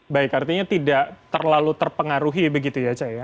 baik artinya tidak terlalu terpengaruhi begitu ya caya